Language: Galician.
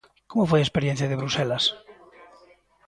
Como foi a experiencia de Bruxelas?